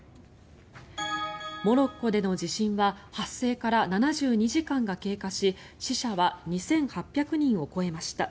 モロッコでの地震は発生から７２時間が経過し死者は２８００人を超えました。